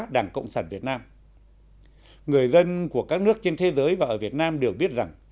đảng cộng sản việt nam người dân của các nước trên thế giới và ở việt nam đều biết rằng